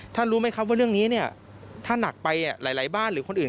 รู้ไหมครับว่าเรื่องนี้เนี่ยถ้าหนักไปหลายบ้านหรือคนอื่น